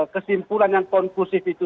kesimpulan yang konklusif itu